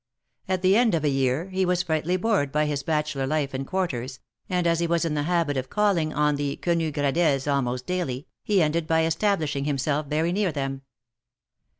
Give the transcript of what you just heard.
At the end of a year, he was frightfully bored by his bachelor life and quarters, and as he was in the habit of calling on the Quenu Gradelles' almost daily, he ended by establishing himself very near them.